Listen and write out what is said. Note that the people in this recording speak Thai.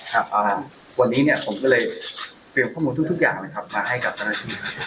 ครับวันนี้ผมก็เลยเตรียมข้อมูลทุกอย่างมาให้กับเตรียม